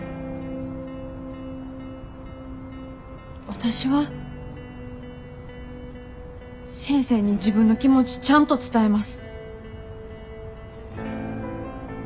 私は先生に自分の気持ちちゃんと伝えます。